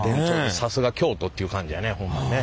さすが京都っていう感じやねホンマにね。